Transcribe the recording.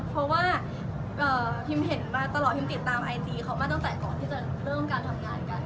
เพราะว่าพิมเห็นมาตลอดพิมติดตามไอจีเขามาตั้งแต่ก่อนที่จะเริ่มการทำงานกัน